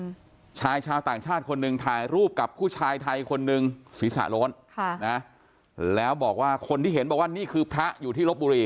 อืมชายชาวต่างชาติคนหนึ่งถ่ายรูปกับผู้ชายไทยคนหนึ่งศีรษะโล้นค่ะนะแล้วบอกว่าคนที่เห็นบอกว่านี่คือพระอยู่ที่ลบบุรี